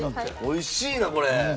美味しいなこれ。